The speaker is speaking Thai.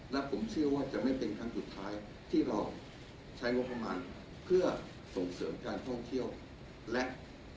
และผมเชื่อว่าจะไม่เป็นครั้งสุดท้ายที่เราใช้งบประมาณเพื่อส่งเสริมการท่องเที่ยวและ